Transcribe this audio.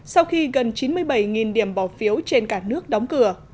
sau khi gần chín mươi bảy điểm bỏ phiếu trên cả nước đóng cửa